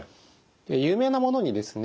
有名なものにですね